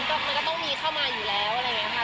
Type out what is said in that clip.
ก็มันก็ต้องมีเข้ามาอยู่แล้วอะไรอย่างนี้ค่ะ